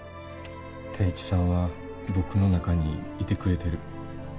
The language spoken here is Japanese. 定一さんは僕の中にいてくれてる。